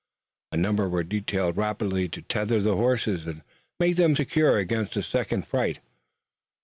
A number were detailed rapidly to tether the horses, and make them secure against a second fright.